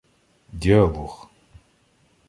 Діалог